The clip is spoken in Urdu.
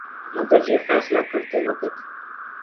مگر یہ فیصلہ کرتے وقت